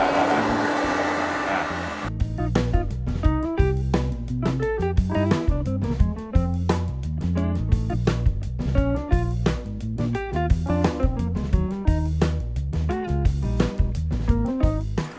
ได้นะ